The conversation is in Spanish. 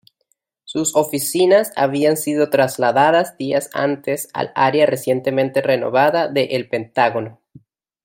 Sus oficinas habían sido trasladadas días antes al área recientemente renovada de El Pentágono.